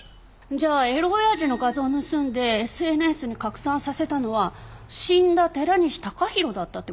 じゃあエロ親父の画像盗んでＳＮＳに拡散させたのは死んだ寺西高広だったって事？